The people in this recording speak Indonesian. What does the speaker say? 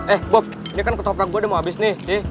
eh bob ini kan ketoprak gue udah mau habis nih